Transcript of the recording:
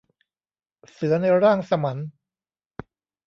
เสือในร่างสมัน